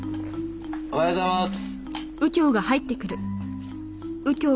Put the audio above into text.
おはようございます。